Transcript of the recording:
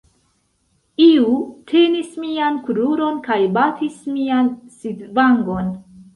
Iu tenis mian kruron kaj batis mian sidvangon.